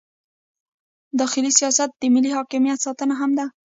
داخلي سیاست د ملي حاکمیت ساتنه هم ده.